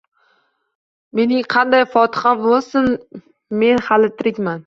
–Mening qanday fotiham bo’lsin: men hali tirikman.